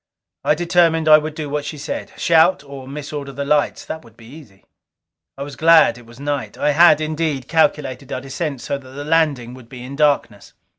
I determined I would do what she said. Shout, or mis order the lights. That would be easy. I was glad it was night. I had, indeed, calculated our descent so that the landing would be in darkness.